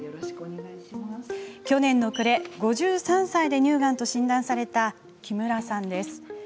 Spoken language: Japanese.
去年の暮れ、５３歳で乳がんと診断された木村さんです。